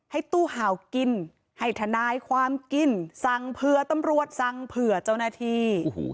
ให้ตู้เห่ากินให้ทนายความกินสั่งเผื่อตำรวจสั่งเผื่อเจ้าหน้าที่